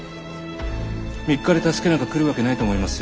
３日で助けなんか来るわけないと思いますよ。